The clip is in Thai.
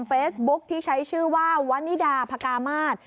เฟซบุ๊คที่ใช้ชื่อว่าวันนิดาพกามาศ